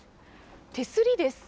手すりです。